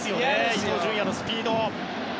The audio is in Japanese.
伊東純也のスピード。